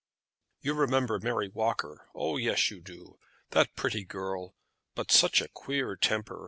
"You remember Mary Walker. Oh yes, you do; that pretty girl, but such a queer temper!